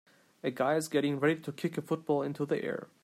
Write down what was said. A guy is getting ready to kick a football into the air.